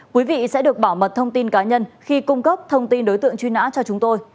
quý vị sẽ được bảo mật thông tin cá nhân khi cung cấp thông tin đối tượng truy nã cho chúng tôi